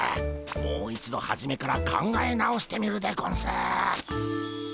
もう一度はじめから考え直してみるでゴンス。